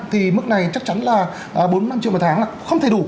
thì mức này chắc chắn là bốn năm triệu một tháng là không thể đủ